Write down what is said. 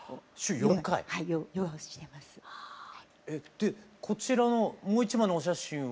でこちらのもう一枚のお写真は？